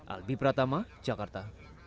albi pratama jakarta